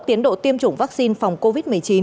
tiến độ tiêm chủng vắc xin phòng covid một mươi chín